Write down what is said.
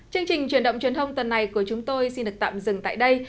chương trình truyền động truyền thông tuần này của chúng tôi xin được tạm dừng tại đây